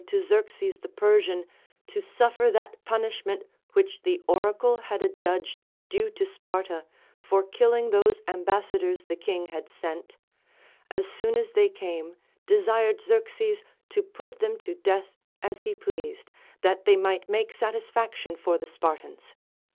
439 to Xerxes the Persian to suffer that punishment which the oracle had adjudged due to Sparta for killing those amhas sadors the King had sent, as soon as they came desired Xerxes to put them to death as he pleased, that they might make satisfaction for the Spartans.